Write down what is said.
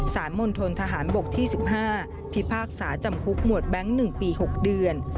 มณฑนทหารบกที่๑๕พิพากษาจำคุกหมวดแบงค์๑ปี๖เดือน